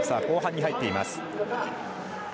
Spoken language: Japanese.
後半に入っています。